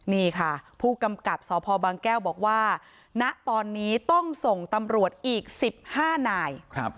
นี่ค่ะผู้กำกับสพบางแก้วบอกว่าณตอนนี้ต้องส่งตำรวจอีก๑๕นาย